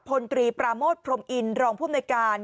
พลตรีปราโมทพรมอินรองภูมิหน่วยการ